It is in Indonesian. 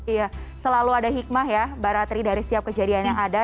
iya selalu ada hikmah ya mbak ratri dari setiap kejadian yang ada